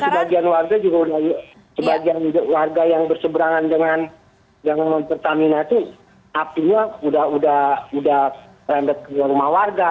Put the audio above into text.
jadi sebagian warga juga sudah yuk sebagian warga yang berseberangan dengan yang mempertaminasi apinya sudah sudah rendet ke rumah warga